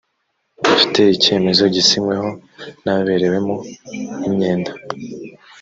afite icyemezo gisinyweho n‘ababerewemo imyenda